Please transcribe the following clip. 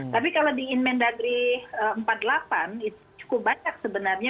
tapi kalau di inmen dagri empat puluh delapan itu cukup banyak sebenarnya